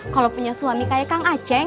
kalo punya suami kayak kang aceng